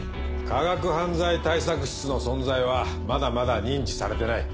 科学犯罪対策室の存在はまだまだ認知されてない。